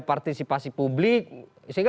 partisipasi publik sehingga